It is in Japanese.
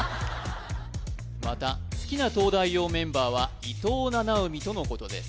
また好きな東大王メンバーは伊藤七海とのことです